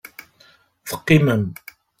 Teqqimem.